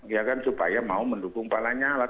iya kan supaya mau mendukung pak lanya lah